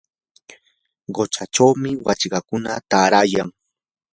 quchachawmi wachwakuna taarayan.